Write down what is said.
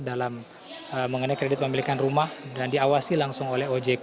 dalam mengenai kredit pemilikan rumah dan diawasi langsung oleh ojk